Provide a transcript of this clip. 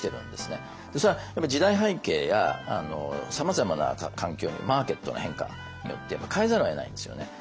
それは時代背景やさまざまな環境マーケットの変化によって変えざるをえないんですよね。